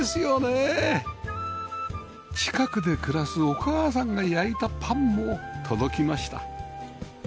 近くで暮らすお母さんが焼いたパンも届きました